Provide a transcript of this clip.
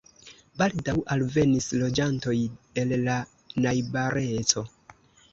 Baldaŭ alvenis loĝantoj el la najbareco.